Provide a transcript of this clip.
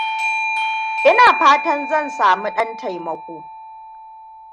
Ina fatan zan sami dan taimako.